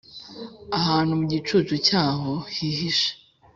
ahantu mu gicucu cyayo hihishe;